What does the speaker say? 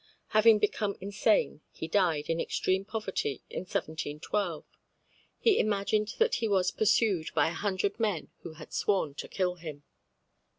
Having become insane he died, in extreme poverty, in 1712. He imagined that he was pursued by a hundred men who had sworn to kill him.